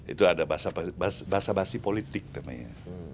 itu ada bahasa bahasa politik namanya